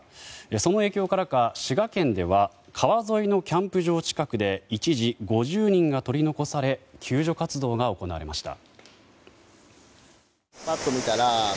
その影響からか滋賀県では川沿いのキャンプ場近くで一時、５０人が取り残され救助活動が行われました。